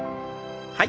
はい。